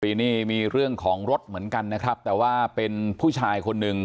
ปีนี้มีเรื่องของรถเหมือนกันนะครับแต่ว่าเป็นผู้ชายคนหนึ่ง